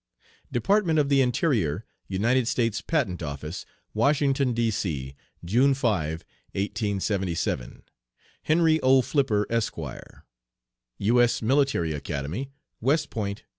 DEPARTMENT OF THE INTERIOR, UNITED STATES PATENT OFFICE, WASHINGTON, D.C., June 5, 1877. HENRY O. FLIPPER, Esq., U. S. Military Academy, West Point, N.